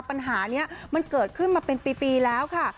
ปัญหานี้มันเกิดขึ้นมาเป็นปีแล้วค่ะ